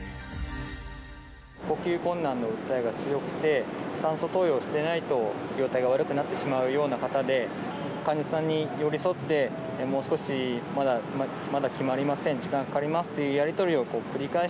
呼吸困難の訴えが強くて、酸素投与をしていないと、容体が悪くなってしまうような方で、患者さんに寄り添って、もう少しまだ決まりません、時間がかかり